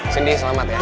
cindy selamat ya